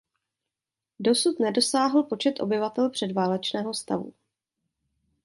Dosud nedosáhl počet obyvatel předválečného stavu.